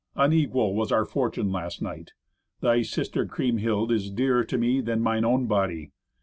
Unequal was our fortune last night. Thy sister Kriemhild is dearer to me than mine own body.